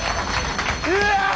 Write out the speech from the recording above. うわ。